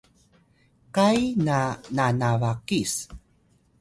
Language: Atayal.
kai’ na nanabakis